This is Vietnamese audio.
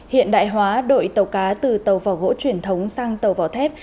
hiện đại hóa đội tàu cá từ tàu vỏ gỗ truyền thống sang tàu vỏ thép